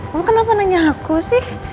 mama kenapa nanya aku sih